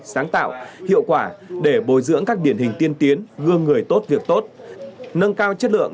sáng tạo hiệu quả để bồi dưỡng các điển hình tiên tiến gương người tốt việc tốt nâng cao chất lượng